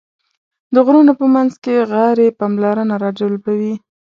د غرونو په منځ کې غارې پاملرنه راجلبوي.